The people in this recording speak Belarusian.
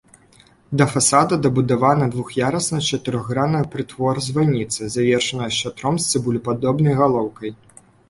Да фасада дабудавана двух'ярусная чатырохгранная прытвор-званіца, завершаная шатром з цыбулепадобнай галоўкай.